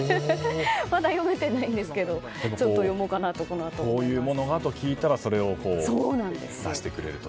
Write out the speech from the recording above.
まだ読めてないんですけどこういうものがと聞いたら出してくれると。